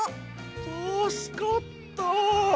たすかった！